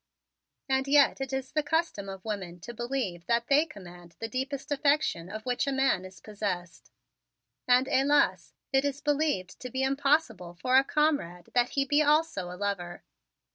"And yet it is the custom of women to believe that they command the deepest affection of which a man is possessed. And, helas, it is believed to be impossible for a comrade that he be also a lover!"